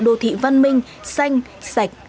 đô thị văn minh xanh sạch